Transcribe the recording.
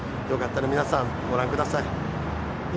よかったら皆さん、御覧ください。